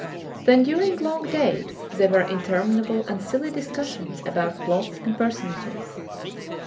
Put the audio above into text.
Then during long days there were interminable and silly discussions about plots and personages.